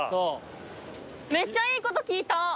めっちゃいいこと聞いた。